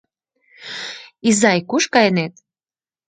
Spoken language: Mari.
Изай, куш кайынет?